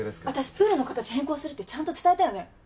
私プールの形変更するってちゃんと伝えたよね？